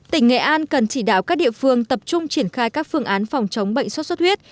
tỉnh nghệ an cần chỉ đạo các địa phương tập trung triển khai các phương án phòng chống bệnh xuất xuất huyết